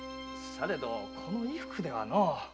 されどこの衣服ではのう。